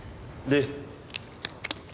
「で？」